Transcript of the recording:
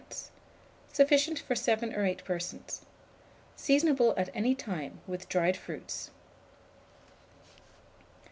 Sufficient for 7 or 8 persons. Seasonable at any time, with dried fruits.